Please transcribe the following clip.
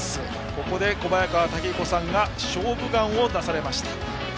ここで小早川毅彦さんが「勝負眼」を出されました。